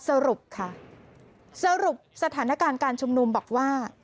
สรุปค่ะสรุปสถานการณ์การชุมนุมบอกว่า